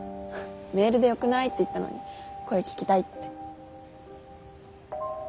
「メールでよくない？」って言ったのに「声聞きたい」って。